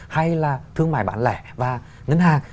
hay là thương mại bán lẻ và ngân hàng